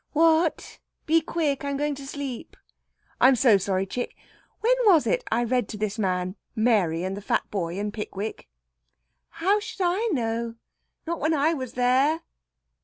"What? Be quick. I'm going to sleep." "I'm so sorry, chick. When was it I read to this man Mary and the fat boy in 'Pickwick'?" "How should I know? Not when I was there."